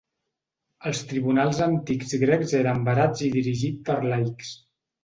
Els tribunals antics grecs eren barats i dirigit per laics.